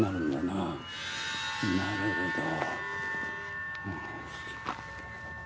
なるほど。